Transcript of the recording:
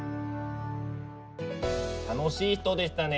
楽しい人でしたね。